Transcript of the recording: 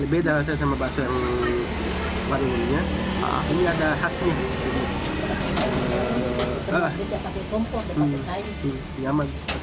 lain sekali beda saya sama bakso yang warnanya ini ada khasnya